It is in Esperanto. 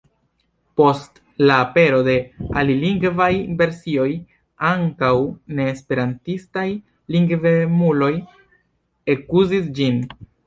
Post la apero de alilingvaj versioj ankaŭ neesperantistaj lingvemuloj ekuzis ĝin.